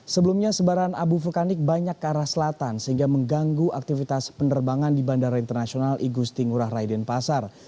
sebelumnya sebaran abu vulkanik banyak ke arah selatan sehingga mengganggu aktivitas penerbangan di bandara internasional igusti ngurah rai denpasar